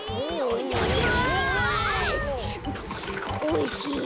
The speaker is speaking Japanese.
おいしい。